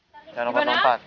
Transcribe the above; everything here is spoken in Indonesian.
jalan tempat tempat ya